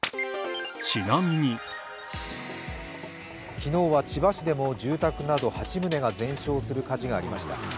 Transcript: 昨日は千葉市でも住宅など８棟が全焼する火事がありました。